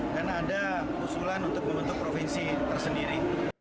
dan ada usulan untuk membentuk provinsi tersendiri